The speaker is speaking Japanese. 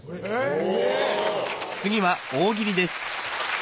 お。